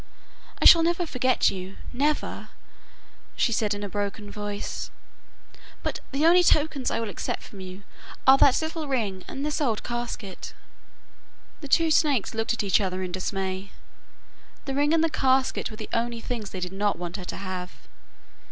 'I shall never forget you, never,' she said in a broken voice, 'but the only tokens I will accept from you are that little ring and this old casket.' The two snakes looked at each other in dismay. The ring and the casket were the only things they did not want her to have.